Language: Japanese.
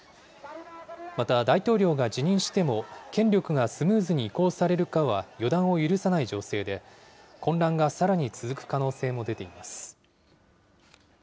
また、大統領が辞任しても権力がスムーズに移行されるかは予断を許さない情勢で、混乱がさらに続く可能性も出ています。